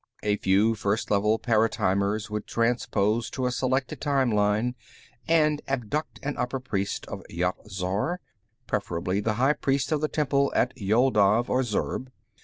A few First Level paratimers would transpose to a selected time line and abduct an upper priest of Yat Zar, preferably the high priest of the temple at Yoldav or Zurb.